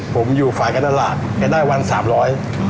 ผมอยู่ฝ่ายการตลาดแกได้วันสามร้อย